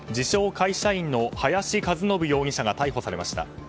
会社員の林和伸容疑者が逮捕されました。